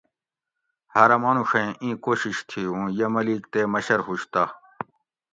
ہاۤرہ مانوڛیں اِیں کوشش تھی اُوں یہ ملیک تے مشر ہوش تہ